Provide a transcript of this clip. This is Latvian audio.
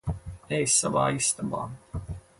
Ej savā istabā.